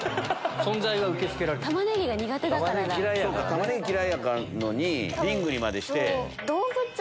タマネギ嫌いやのにリングにまでして。